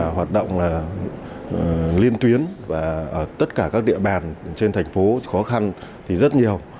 hoạt động tinh vi khó phát hiện